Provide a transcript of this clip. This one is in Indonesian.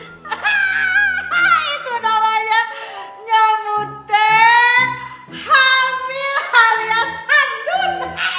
itu namanya nyamudek hamil alias andun